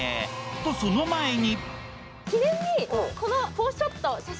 とその前に。